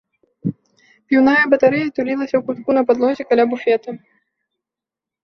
Піўная батарэя тулілася ў кутку на падлозе каля буфета.